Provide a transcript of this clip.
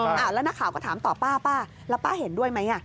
แล้วนักข่าวก็ถามต่อป้าป้าแล้วป้าเห็นด้วยไหม